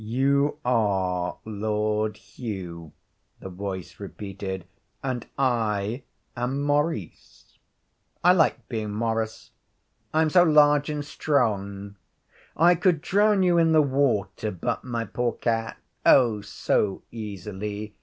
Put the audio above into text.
'You are Lord Hugh,' the voice repeated, 'and I am Maurice. I like being Maurice. I am so large and strong. I could drown you in the water butt, my poor cat oh, so easily.